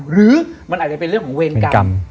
หรือมันอาจจะเป็นเรื่องของเวรกรรม